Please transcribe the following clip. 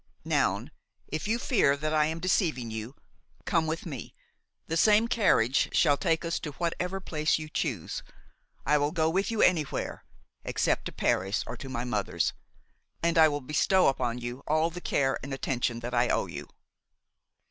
"Noun, if you fear that I am deceiving you, come with me. The same carriage shall take us to whatever place you choose. I will go with you anywhere, except to Paris or to my mother's, and I will bestow upon you all the care and attention that I owe you."